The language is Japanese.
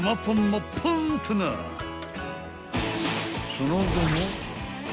［その後も］